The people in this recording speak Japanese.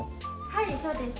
はいそうです。